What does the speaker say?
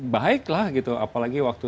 baiklah gitu apalagi waktu